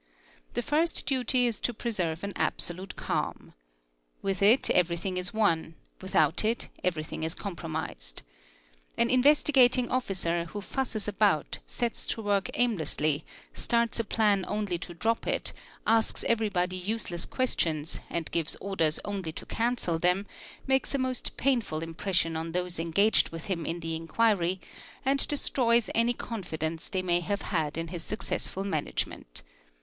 The first duty is to preserve an absolute calm. With it everything is won, without it everything is" compromised. An Investigating Officer who fusses about, sets to work — aimlessly, starts a plan only to drop it, asks everybody useless questions, — and gives orders only to cancel them, makes a most painful impression on those engaged with him in'the inquiry and destroys any confidence they may have had in his successful management.